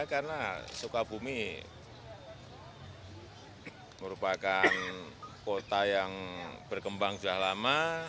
karena supabumi merupakan kota yang berkembang sudah lama